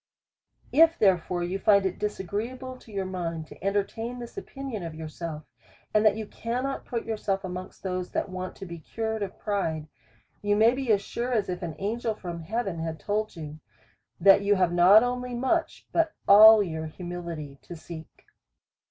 If therefore you find it disagreeable to your mind to entertain this opinion of yourself, and that you cannot put yourself amongst those that want to be cured of pride, you may be as sure as if an angel from heaven had told you, that you have not only much, but all your humility to seek.